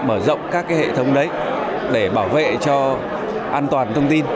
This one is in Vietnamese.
mở rộng các hệ thống đấy để bảo vệ cho an toàn thông tin